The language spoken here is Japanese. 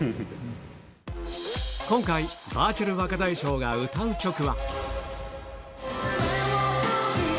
今回、バーチャル若大将が歌う曲は。